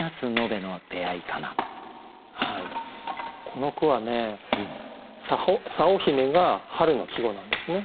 この句はね「佐保姫」が春の季語なんですね。